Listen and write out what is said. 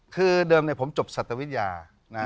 คือเดิมเนี่ยผมจบศัตรูวิทยานะ